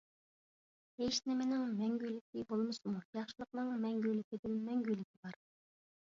ھېچنىمىنىڭ مەڭگۈلۈكى بولمىسىمۇ ياخشىلىقنىڭ مەڭگۈلىكىدىن مەڭگۈلۈكى بار.